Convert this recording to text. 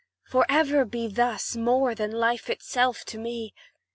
for ever be Thus, more than life itself to me!